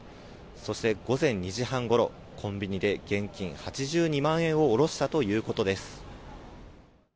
そして午前２時半ごろコンビニで現金８２万円を下ろしたということです。